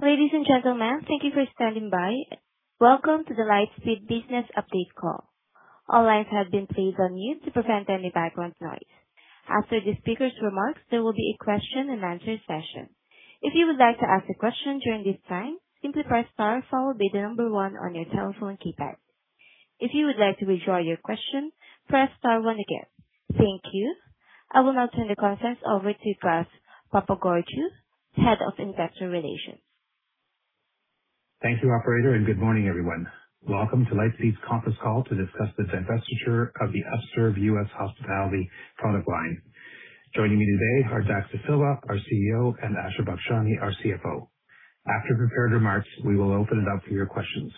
Ladies and gentlemen, thank you for standing by. Welcome to the Lightspeed Business Update Call. All lines have been placed on mute to prevent any background noise. After the speakers' remarks, there will be a question-and-answer session. If you would like to ask a question during this time, simply press star followed by the number one on your telephone keypad. If you would like to withdraw your question, press star one again. Thank you. I will now turn the conference over to Gus Papageorgiou, Head of Investor Relations. Thank you, operator. Good morning, everyone. Welcome to Lightspeed's conference call to discuss the divestiture of the Upserve U.S. Hospitality product line. Joining me today are Dax Dasilva, our CEO, and Asha Bakshani, our CFO. After prepared remarks, we will open it up for your questions.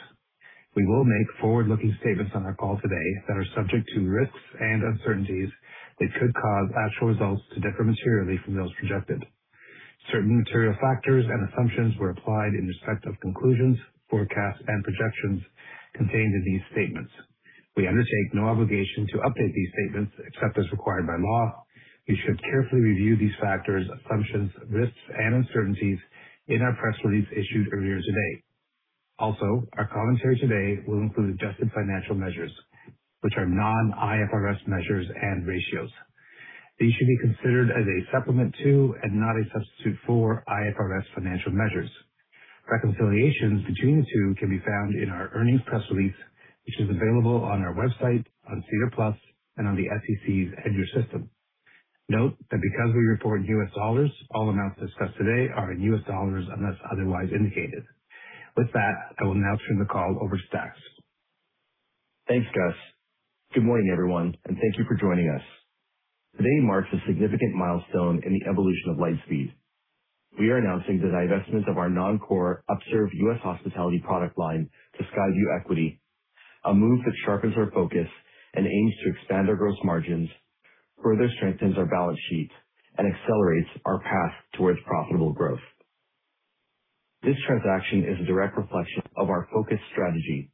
We will make forward-looking statements on our call today that are subject to risks and uncertainties that could cause actual results to differ materially from those projected. Certain material factors and assumptions were applied in respect of conclusions, forecasts, and projections contained in these statements. We undertake no obligation to update these statements except as required by law. You should carefully review these factors, assumptions, risks, and uncertainties in our press release issued earlier today. Also, our commentary today will include adjusted financial measures, which are non-IFRS measures and ratios. These should be considered as a supplement to and not a substitute for IFRS financial measures. Reconciliations between the two can be found in our earnings press release, which is available on our website, on SEDAR+ and on the SEC's EDGAR system. Note that because we report in U.S. dollars, all amounts discussed today are in U.S. dollars unless otherwise indicated. With that, I will now turn the call over to Dax. Thanks, Gus. Good morning, everyone, and thank you for joining us. Today marks a significant milestone in the evolution of Lightspeed. We are announcing the divestment of our non-core Upserve U.S. Hospitality product line to Skyview Equity, a move that sharpens our focus and aims to expand our gross margins, further strengthens our balance sheet, and accelerates our path towards profitable growth. This transaction is a direct reflection of our focused strategy,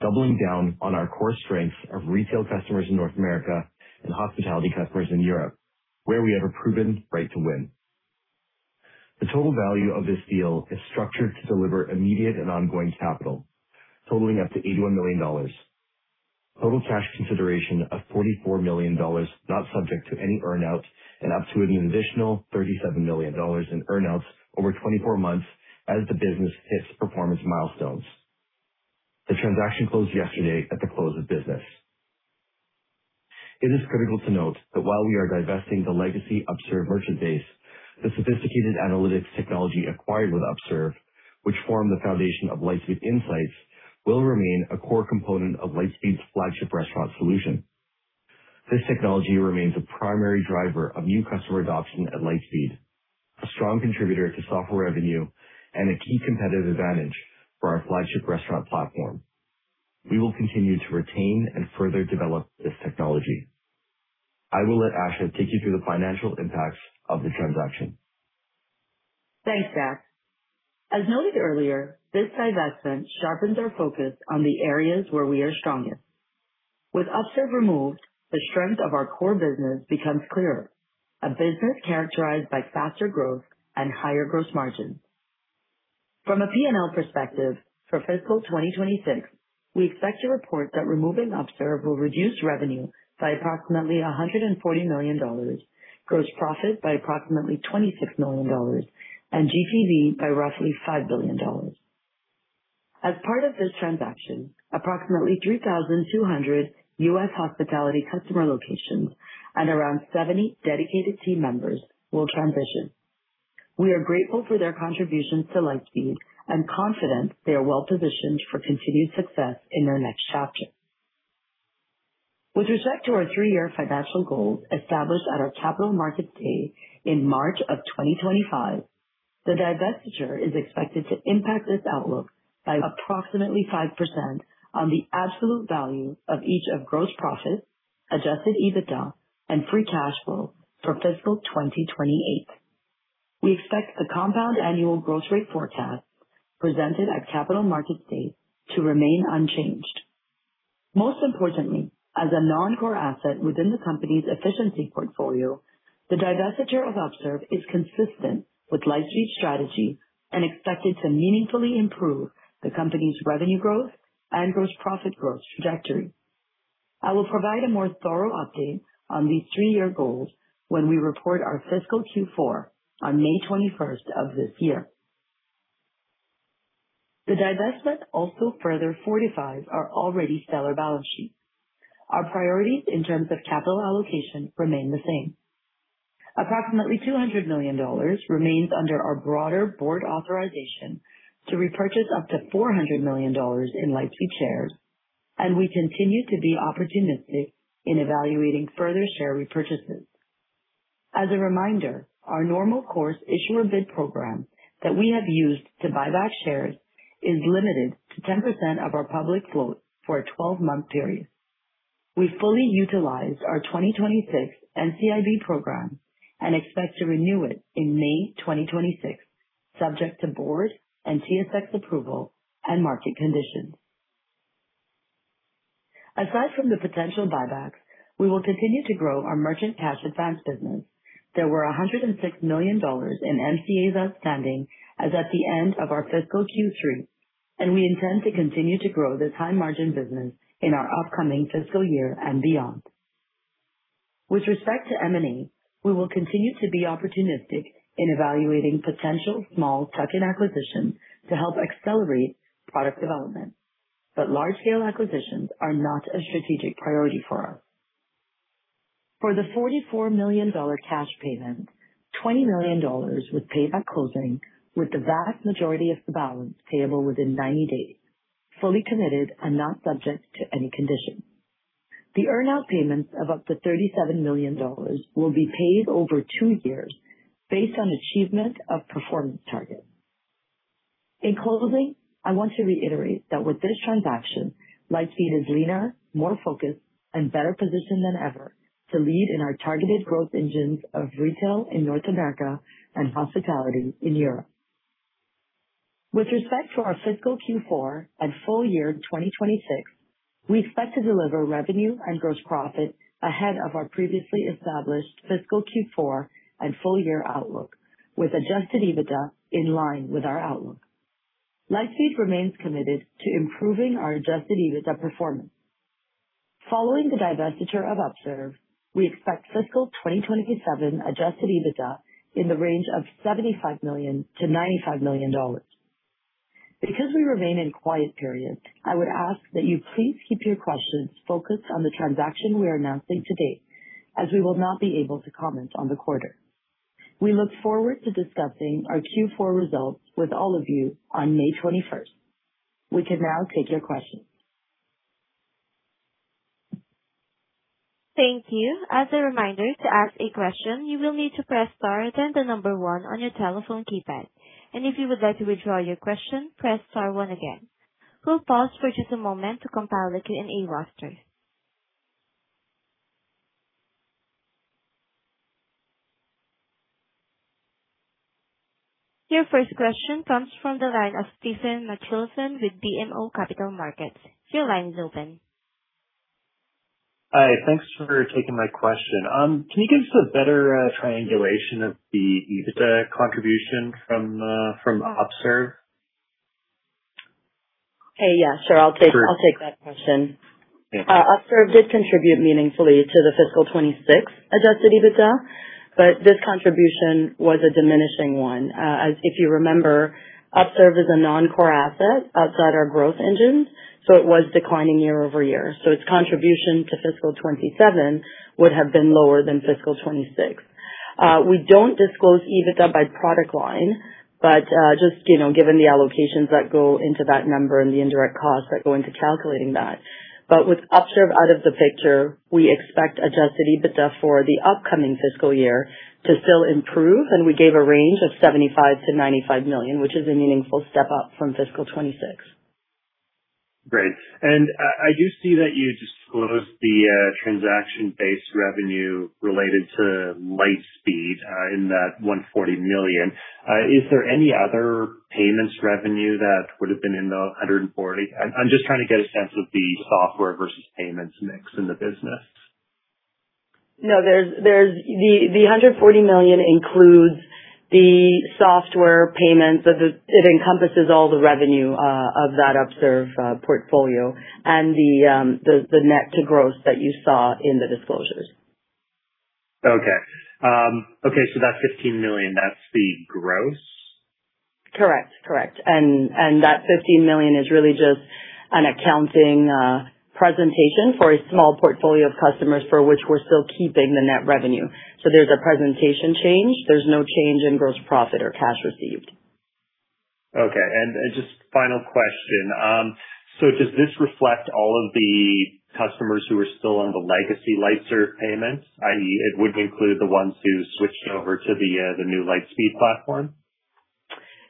doubling down on our core strengths of retail customers in North America and hospitality customers in Europe, where we have a proven right to win. The total value of this deal is structured to deliver immediate and ongoing capital, totaling up to $81 million. Total cash consideration of $44 million not subject to any earn-out and up to an additional $37 million in earn-outs over 24 months as the business hits performance milestones. The transaction closed yesterday at the close of business. It is critical to note that while we are divesting the legacy Upserve merchant base, the sophisticated analytics technology acquired with Upserve, which form the foundation of Lightspeed Insights, will remain a core component of Lightspeed's flagship restaurant solution. This technology remains a primary driver of new customer adoption at Lightspeed, a strong contributor to software revenue and a key competitive advantage for our flagship restaurant platform. We will continue to retain and further develop this technology. I will let Asha take you through the financial impacts of the transaction. Thanks, Dax. As noted earlier, this divestment sharpens our focus on the areas where we are strongest. With Upserve removed, the strength of our core business becomes clearer. A business characterized by faster growth and higher gross margins. From a P&L perspective, for fiscal 2026, we expect to report that removing Upserve will reduce revenue by approximately $140 million, gross profit by approximately $26 million and GPV by roughly $5 billion. As part of this transaction, approximately 3,200 U.S. hospitality customer locations and around 70 dedicated team members will transition. We are grateful for their contributions to Lightspeed and confident they are well-positioned for continued success in their next chapter. With respect to our three-year financial goals established at our Capital Markets Day in March of 2025, the divestiture is expected to impact this outlook by approximately 5% on the absolute value of each of gross profit, Adjusted EBITDA, and free cash flow for fiscal 2028. We expect the compound annual growth rate forecast presented at Capital Markets Day to remain unchanged. Most importantly, as a non-core asset within the company's efficiency portfolio, the divestiture of Upserve is consistent with Lightspeed's strategy and expected to meaningfully improve the company's revenue growth and gross profit growth trajectory. I will provide a more thorough update on these three-year goals when we report our fiscal Q4 on May 21st of this year. The divestment also further fortifies our already stellar balance sheet. Our priorities in terms of capital allocation remain the same. Approximately $200 million remains under our broader board authorization to repurchase up to $400 million in Lightspeed shares, and we continue to be opportunistic in evaluating further share repurchases. As a reminder, our normal course issuer bid program that we have used to buy back shares is limited to 10% of our public float for a 12-month period. We fully utilized our 2026 NCIB program and expect to renew it in May 2026, subject to board and TSX approval and market conditions. Aside from the potential buybacks, we will continue to grow our merchant cash advance business. There were $106 million in MCAs outstanding as at the end of our fiscal Q3, and we intend to continue to grow this high margin business in our upcoming fiscal year and beyond. With respect to M&A, we will continue to be opportunistic in evaluating potential small tuck-in acquisitions to help accelerate product development, but large scale acquisitions are not a strategic priority for us. For the $44 million cash payment, $20 million was paid at closing, with the vast majority of the balance payable within 90 days, fully committed and not subject to any conditions. The earn-out payments of up to $37 million will be paid over two years based on achievement of performance targets. In closing, I want to reiterate that with this transaction, Lightspeed is leaner, more focused, and better positioned than ever to lead in our targeted growth engines of retail in North America and hospitality in Europe. With respect to our fiscal Q4 and full year 2026, we expect to deliver revenue and gross profit ahead of our previously established fiscal Q4 and full year outlook, with adjusted EBITDA in line with our outlook. Lightspeed remains committed to improving our adjusted EBITDA performance. Following the divestiture of Upserve, we expect fiscal 2027 adjusted EBITDA in the range of $75 million-$95 million. Because we remain in quiet period, I would ask that you please keep your questions focused on the transaction we are announcing today, as we will not be able to comment on the quarter. We look forward to discussing our Q4 results with all of you on May 21st. We can now take your questions. Thank you. As a reminder, to ask a question, you will need to press star then the one on your telephone keypad. If you would like to withdraw your question, press star one again. We'll pause for just a moment to compile the Q&A roster. Your first question comes from the line of Thanos Moschopoulos with BMO Capital Markets. Your line is open. Hi. Thanks for taking my question. Can you give us a better triangulation of the EBITDA contribution from Upserve? Hey. Yeah, sure. I'll take that question. Yeah. Upserve did contribute meaningfully to the fiscal 2026 adjusted EBITDA, but this contribution was a diminishing one. As if you remember, Upserve is a non-core asset outside our growth engines, so it was declining year-over-year. Its contribution to fiscal 2027 would have been lower than fiscal 2026. We don't disclose EBITDA by product line, but, just, you know, given the allocations that go into that number and the indirect costs that go into calculating that. With Upserve out of the picture, we expect adjusted EBITDA for the upcoming fiscal year to still improve, and we gave a range of $75 million-$95 million, which is a meaningful step up from fiscal 2026. Great. I do see that you disclosed the transaction-based revenue related to Lightspeed in that $140 million. Is there any other payments revenue that would have been in the $140 million? I'm just trying to get a sense of the software versus payments mix in the business. No, there's the $140 million includes the software payments. It encompasses all the revenue of that Upserve portfolio and the net to gross that you saw in the disclosures. Okay. Okay, that $15 million, that's the gross? Correct. Correct. That $15 million is really just an accounting presentation for a small portfolio of customers for which we're still keeping the net revenue. There's a presentation change. There's no change in gross profit or cash received. Okay. Just final question. Does this reflect all of the customers who are still on the legacy Upserve payments, i.e., it wouldn't include the ones who switched over to the new Lightspeed platform?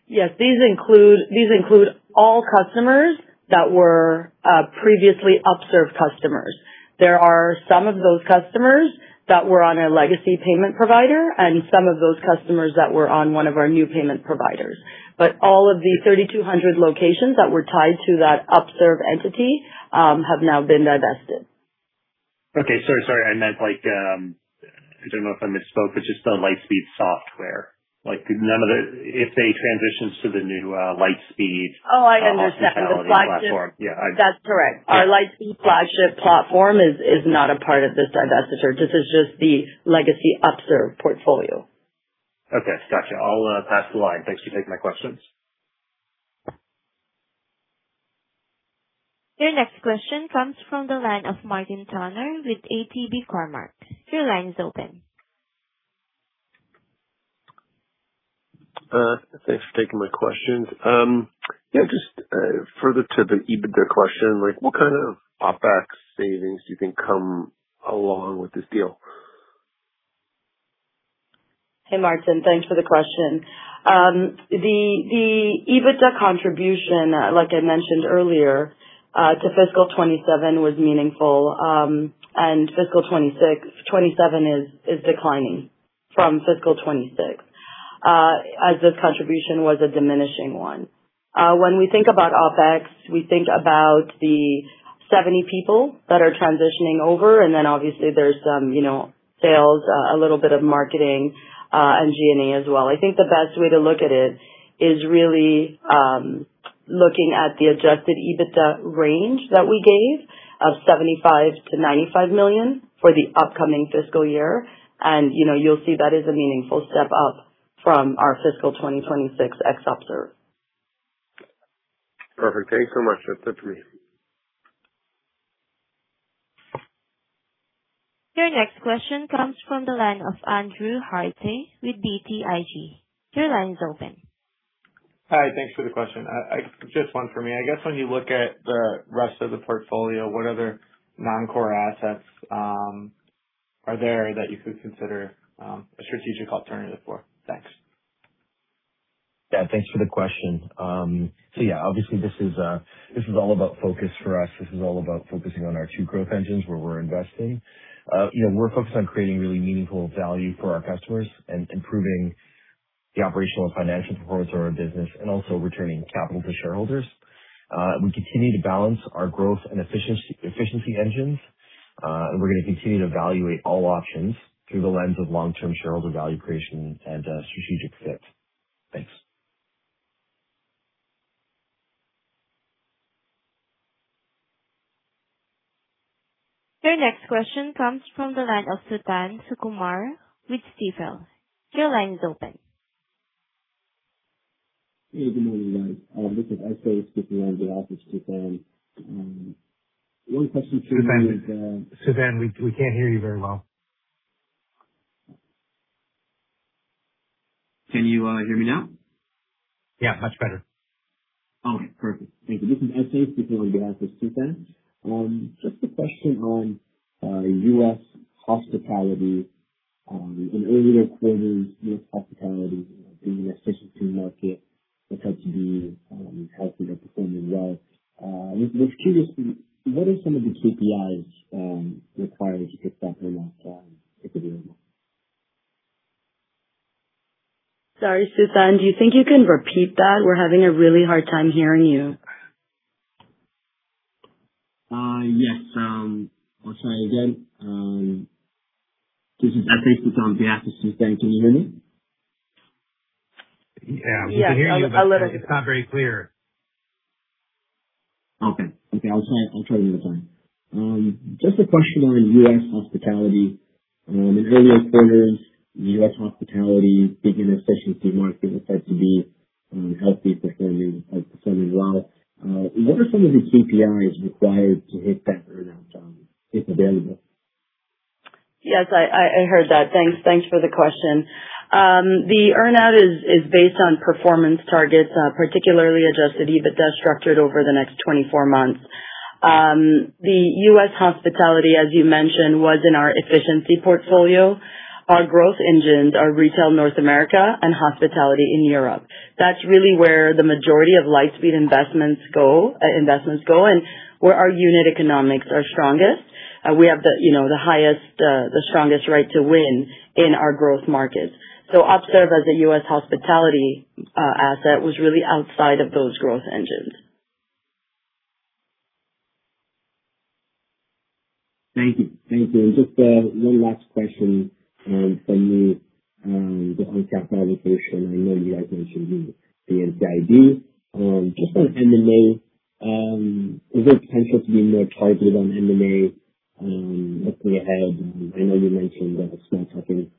These include all customers that were previously Upserve customers. There are some of those customers that were on our legacy payment provider and some of those customers that were on one of our new payment providers. All of the 3,200 locations that were tied to that Upserve entity have now been divested. Okay. Sorry. I meant like, I don't know if I misspoke. It's just the Lightspeed software. Like, if they transitioned to the new Lightspeed. Oh, I understand. hospitality platform. Yeah. That's correct. Our Lightspeed flagship platform is not a part of this divestiture. This is just the legacy Upserve portfolio. Okay, gotcha. I'll pass the line. Thanks for taking my questions. Your next question comes from the line of Martin Toner with ATB Capital Markets. Your line is open. Thanks for taking my questions. Further to the EBITDA question, what kind of OpEx savings you think come along with this deal? Hey, Martin. Thanks for the question. The EBITDA contribution, like I mentioned earlier, to fiscal 2027 was meaningful, and fiscal 2026. 2027 is declining from fiscal 2026. As this contribution was a diminishing one. When we think about OpEx, we think about the 70 people that are transitioning over, and then obviously there's some sales, a little bit of marketing, and G&A as well. I think the best way to look at it is really looking at the adjusted EBITDA range that we gave of $75 million- $95 million for the upcoming fiscal year. You'll see that is a meaningful step up from our fiscal 2026 ex-Upserve. Perfect. Thanks so much. That's it for me. Your next question comes from the line of Andrew Bauch with BTIG. Your line is open. Hi, thanks for the question. Just one for me. I guess when you look at the rest of the portfolio, what other non-core assets are there that you could consider a strategic alternative for? Thanks. Yeah, thanks for the question. Yeah, obviously this is all about focus for us. This is all about focusing on our two growth engines where we're investing. You know, we're focused on creating really meaningful value for our customers and improving the operational and financial performance of our business and also returning capital to shareholders. We continue to balance our growth and efficiency engines, and we're gonna continue to evaluate all options through the lens of long-term shareholder value creation and strategic fit. Thanks. Your next question comes from the line of Suthan Sukumar with Stifel. Your line is open. Hey, good morning, guys. This is SA speaking on behalf of Suthan. One question for you is. Suthan, we can't hear you very well. Can you hear me now? Yeah, much better. Okay, perfect. Thank you. This is SA speaking on behalf of Suthan. Just a question on U.S. Hospitality. In earlier quarters, U.S. Hospitality, you know, being in efficiency market looks like to be healthy and performing well. I was curious what are some of the KPIs required to hit that earn out, if available? Sorry, Suthan, do you think you can repeat that? We're having a really hard time hearing you. Yes, I'll try again. This is SA speaking on behalf of Suthan. Can you hear me? Yeah, we can hear you. Yeah, a little bit. It's not very clear. Okay. I'll try another time. Just a question on U.S. Hospitality. In earlier quarters, U.S. Hospitality being in efficiency market looks like to be healthy, performing well. What are some of the KPIs required to hit that earn out, if available? Yes, I heard that. Thanks. Thanks for the question. The earn out is based on performance targets, particularly adjusted EBITDA structured over the next 24 months. The U.S. Hospitality, as you mentioned, was in our efficiency portfolio. Our growth engines are retail North America and hospitality in Europe. That's really where the majority of Lightspeed investments go and where our unit economics are strongest. We have, you know, the strongest right to win in our growth markets. Upserve as a U.S. Hospitality asset was really outside of those growth engines. Thank you. Thank you. Just one last question from me on capital allocation. I know you guys mentioned the NCIB. Just on M&A, is there potential to be more targeted on M&A looking ahead? I know you mentioned about the small tuck-in.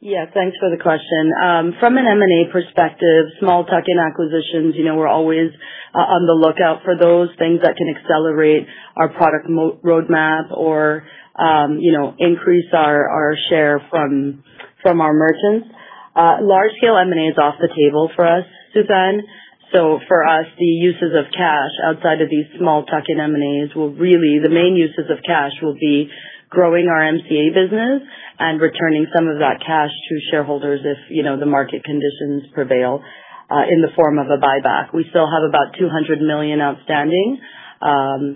Yeah, thanks for the question. From an M&A perspective, small tuck-in acquisitions, you know, we're always on the lookout for those things that can accelerate our product roadmap or, you know, increase our share from our merchants. Large scale M&A is off the table for us, Suthan. For us, the uses of cash outside of these small tuck-in M&As will really, the main uses of cash will be growing our MCA business and returning some of that cash to shareholders if, you know, the market conditions prevail in the form of a buyback. We still have about $200 million outstanding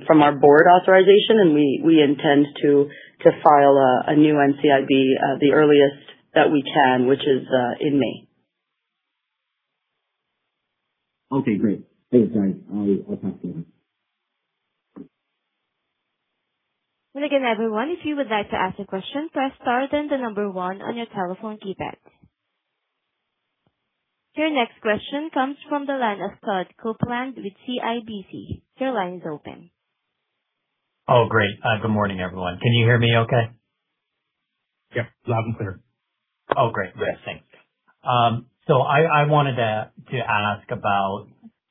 from our board authorization, and we intend to file a new NCIB the earliest that we can, which is in May. Okay, great. Thanks, guys. I'll talk to you later. Again, everyone, if you would like to ask a question, press star then the number one on your telephone keypad. Your next question comes from the line of Todd Coupland with CIBC. Your line is open. Oh, great. Good morning, everyone. Can you hear me okay? Yep, loud and clear. Great. Thanks. I wanted to ask about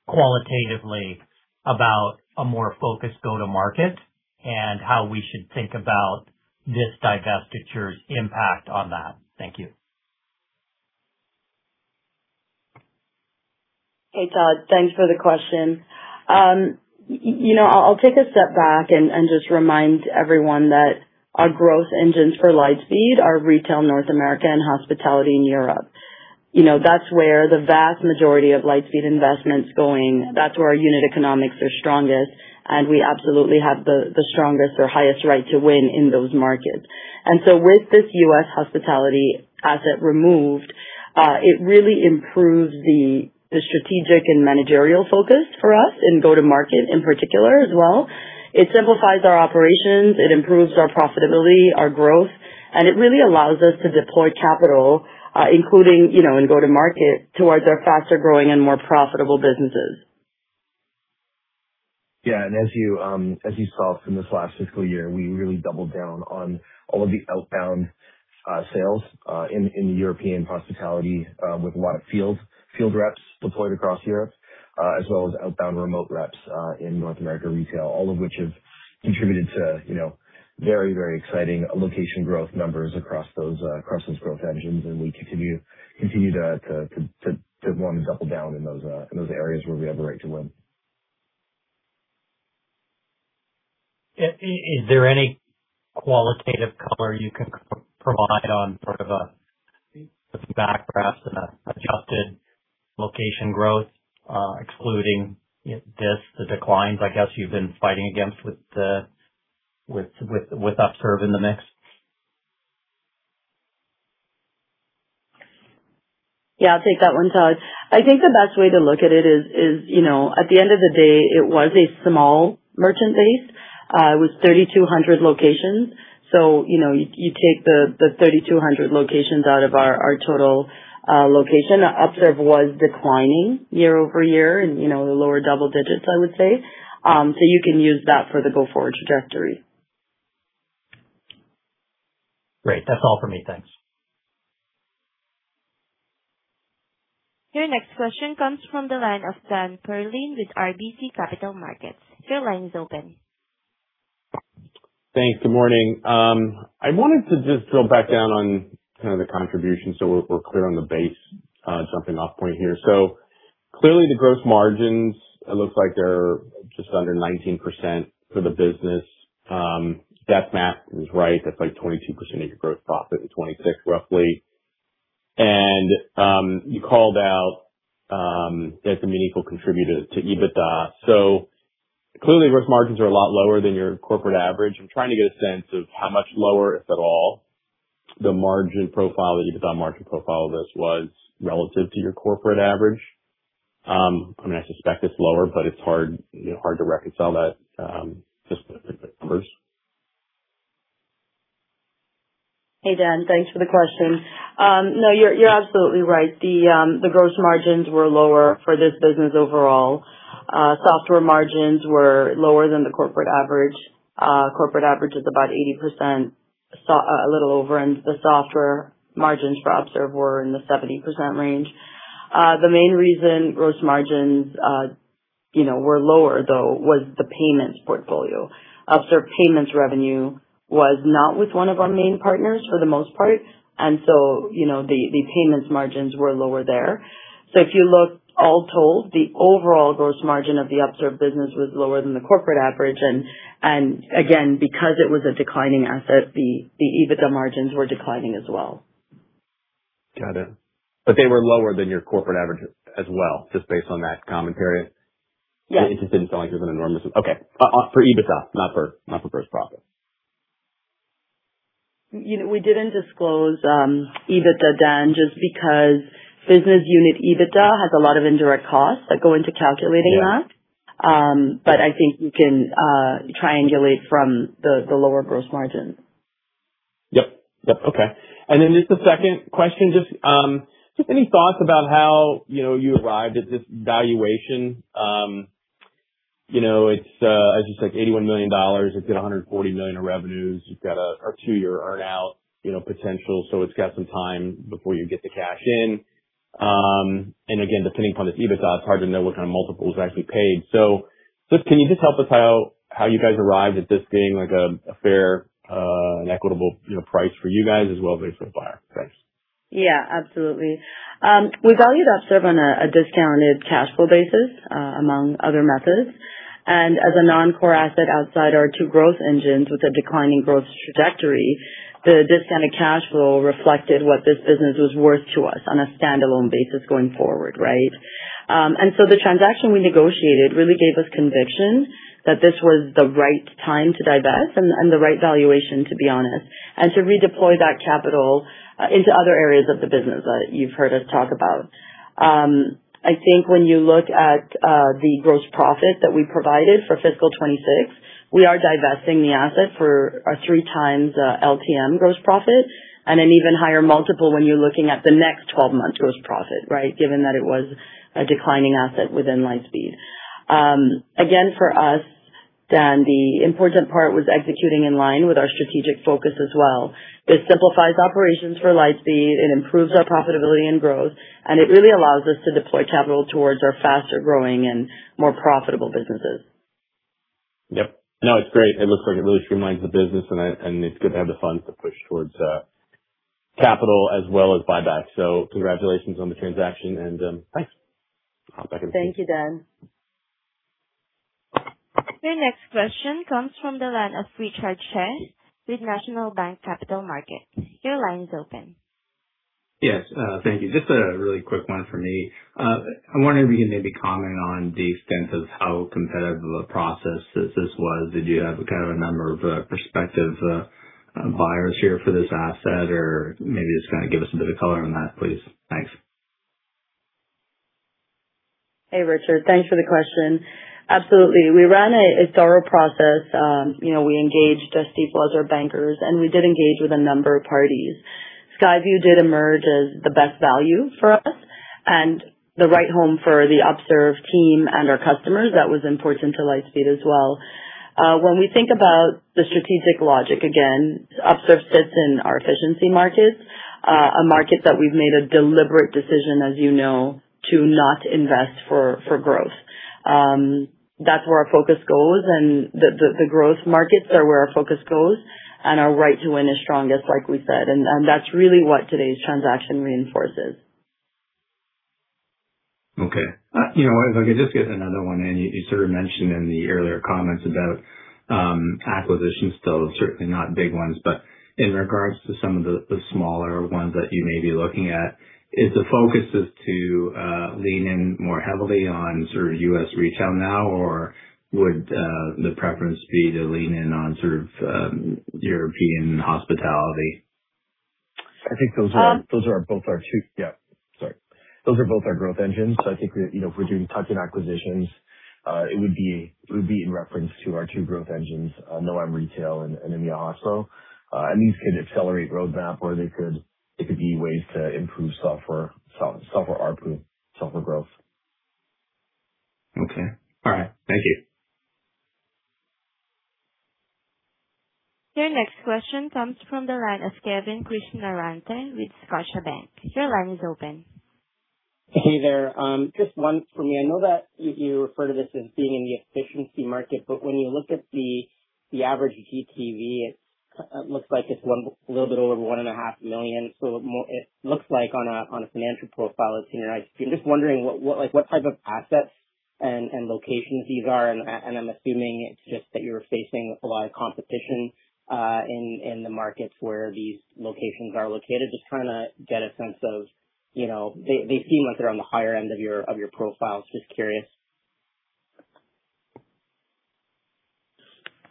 qualitatively about a more focused go-to-market and how we should think about this divestiture's impact on that. Thank you. Hey, Todd. Thanks for the question. you know, I'll take a step back and just remind everyone that our growth engines for Lightspeed are retail North America and hospitality in Europe. You know, that's where the vast majority of Lightspeed investment's going. That's where our unit economics are strongest, and we absolutely have the strongest or highest right to win in those markets. With this U.S. hospitality asset removed, it really improves the strategic and managerial focus for us in go-to-market in particular as well. It simplifies our operations, it improves our profitability, our growth, and it really allows us to deploy capital, including, you know, in go-to-market towards our faster-growing and more profitable businesses. Yeah. As you saw from this last fiscal year, we really doubled down on all of the outbound sales in European hospitality with a lot of field reps deployed across Europe, as well as outbound remote reps in North America retail. All of which have contributed to, you know, very, very exciting location growth numbers across those growth engines. We continue to want to double down in those areas where we have the right to win. Is there any qualitative color you can provide on sort of a, some background on the adjusted location growth, excluding, you know, this, the declines, I guess, you've been fighting against with the Upserve in the mix? Yeah, I'll take that one, Todd. I think the best way to look at it is, you know, at the end of the day, it was a small merchant base. It was 3,200 locations. You know, you take the 3,200 locations out of our total location. Upserve was declining year-over-year in, you know, the lower double digits, I would say. You can use that for the go-forward trajectory. Great. That's all for me. Thanks. Your next question comes from the line of Dan Perlin with RBC Capital Markets. Your line is open. Thanks. Good morning. I wanted to just drill back down on kind of the contribution so we're clear on the base jumping off point here. The gross margins, it looks like they're just under 19% for the business. Deck math is right. That's like 22% of your gross profit in 2026, roughly. You called out as a meaningful contributor to EBITDA. Gross margins are a lot lower than your corporate average. I'm trying to get a sense of how much lower, if at all, the margin profile, the EBITDA margin profile of this was relative to your corporate average. I mean, I suspect it's lower, but it's hard, you know, hard to reconcile that just with the numbers. Hey, Dan. Thanks for the question. No, you're absolutely right. The gross margins were lower for this business overall. Software margins were lower than the corporate average. Corporate average is about 80%, a little over. The software margins for Upserve were in the 70% range. The main reason gross margins, you know, were lower though was the payments portfolio. Upserve payments revenue was not with one of our main partners for the most part. You know, the payments margins were lower there. If you look all told, the overall gross margin of the Upserve business was lower than the corporate average. Again, because it was a declining asset, the EBITDA margins were declining as well. Got it. They were lower than your corporate average as well, just based on that commentary. Yeah. Okay. for EBITDA, not for gross profit. You know, we didn't disclose, EBITDA, Dan, just because business unit EBITDA has a lot of indirect costs that go into calculating that. Yeah. I think you can triangulate from the lower gross margin. Yep. Yep. Okay. Just a second question. Just any thoughts about how, you know, you arrived at this valuation? You know, it's just like $81 million. It's got $140 million in revenues. You've got a two-year earn-out, you know, potential, so it's got some time before you get the cash in. Again, depending upon the EBITDA, it's hard to know what kind of multiple was actually paid. Can you just help us how you guys arrived at this being like a fair and equitable, you know, price for you guys as well as for the buyer? Thanks. Yeah, absolutely. We valued Upserve on a discounted cash flow basis, among other methods. As a non-core asset outside our two growth engines with a declining growth trajectory, the discounted cash flow reflected what this business was worth to us on a standalone basis going forward, right? The transaction we negotiated really gave us conviction that this was the right time to divest and the right valuation, to be honest, and to redeploy that capital into other areas of the business that you've heard us talk about. I think when you look at the gross profit that we provided for fiscal 2026, we are divesting the asset for a 3x LTM gross profit and an even higher multiple when you're looking at the next 12 months gross profit, right? Given that it was a declining asset within Lightspeed. Again, for us, Dan, the important part was executing in line with our strategic focus as well. It simplifies operations for Lightspeed, it improves our profitability and growth, and it really allows us to deploy capital towards our faster-growing and more profitable businesses. Yep. No, it is great. It looks like it really streamlines the business and it is good to have the funds to push towards capital as well as buyback. Congratulations on the transaction and thanks. I will pop back in queue. Thank you, Dan. Your next question comes from the line of Richard Tse with National Bank Capital Markets. Your line is open. Yes, thank you. Just a really quick one for me. I'm wondering if you can maybe comment on the extent of how competitive of a process this was. Did you have kind of a number of prospective buyers here for this asset? Or maybe just kinda give us a bit of color on that, please. Thanks. Hey, Richard. Thanks for the question. Absolutely. We ran a thorough process. you know, we engaged our Stifel bankers, and we did engage with a number of parties. Skyview did emerge as the best value for us and the right home for the Upserve team and our customers. That was important to Lightspeed as well. When we think about the strategic logic, again, Upserve sits in our efficiency markets, a market that we've made a deliberate decision, as you know, to not invest for growth. That's where our focus goes and the growth markets are where our focus goes and our right to win is strongest, like we said. That's really what today's transaction reinforces. Okay. You know what? If I could just get another one in. You sort of mentioned in the earlier comments about acquisitions still, certainly not big ones. In regards to some of the smaller ones that you may be looking at, is the focus to lean in more heavily on sort of U.S. retail now, or would the preference be to lean in on sort of EMEA Hospitality? I think those are. Um- Yeah. Sorry. Those are both our growth engines. I think we're, you know, if we're doing tuck-in acquisitions, it would be in reference to our two growth engines, NOAM Retail and EMEA Hospitality. These could accelerate roadmap or it could be ways to improve software ARPU, software growth. Okay. All right. Thank you. Your next question comes from the line of Kevin Krishnaratne with Scotiabank. Your line is open. Hey there. Just one for me. I know that you refer to this as being in the efficiency market, but when you look at the average GTV, it looks like it's a little bit over $1.5 million. It looks like on a financial profile it's sooner. I'm just wondering what, like what type of assets and locations these are. I'm assuming it's just that you're facing a lot of competition in the markets where these locations are located. Just trying to get a sense of, you know. They seem like they're on the higher end of your profile. Just curious.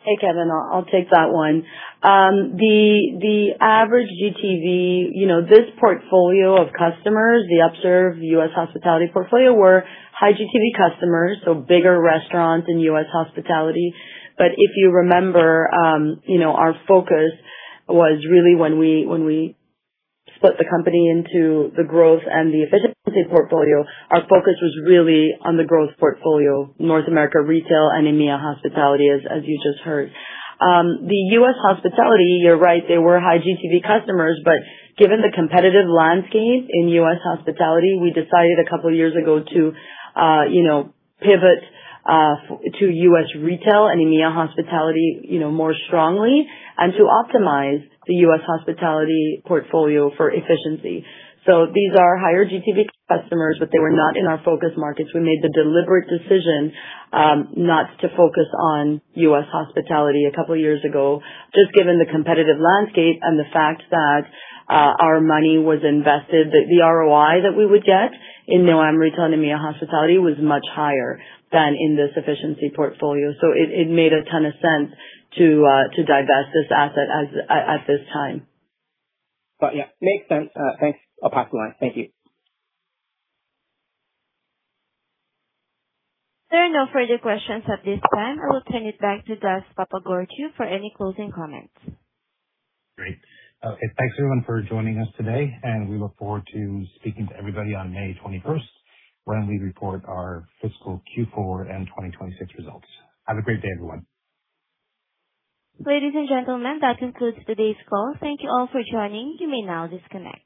Hey, Kevin. I'll take that one. The average GTV, you know, this portfolio of customers, the Upserve U.S. hospitality portfolio, were high GTV customers, so bigger restaurants in U.S. hospitality. If you remember, you know, our focus was really when we split the company into the growth and the efficiency portfolio, our focus was really on the growth portfolio, North America Retail and EMEA Hospitality, as you just heard. The U.S. hospitality, you're right, they were high GTV customers, given the competitive landscape in U.S. hospitality, we decided a couple years ago to, you know, pivot to U.S. retail and EMEA Hospitality, you know, more strongly and to optimize the U.S. hospitality portfolio for efficiency. These are higher GTV customers, they were not in our focus markets. We made the deliberate decision, not to focus on U.S. hospitality a couple years ago, just given the competitive landscape and the fact that our money was invested. The ROI that we would get in NOAM Retail and EMEA Hospitality was much higher than in this efficiency portfolio. It, it made a ton of sense to divest this asset as, at this time. Yeah, makes sense. Thanks. I will pass the line. Thank you. There are no further questions at this time. I will turn it back to Gus Papageorgiou for any closing comments. Great. Okay. Thanks everyone for joining us today, and we look forward to speaking to everybody on May 21st when we report our fiscal Q4 and 2026 results. Have a great day, everyone. Ladies and gentlemen, that concludes today's call. Thank you all for joining. You may now disconnect.